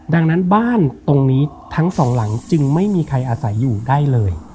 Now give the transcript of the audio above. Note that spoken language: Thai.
ดังนั้นบ้านตรงนี้ทั้งสองหลังจึงไม่มีใครอาศัยอยู่ได้เลย